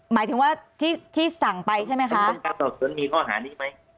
หมายถึงว่าที่สั่งไปใช่ไหมคะมีข้อหานี้ไหม